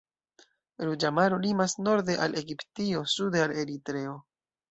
Ruĝa Maro limas norde al Egiptio, sude al Eritreo.